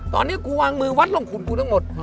ตอนนี้กูวางมือวัดร่องขุนกูทั้งหมด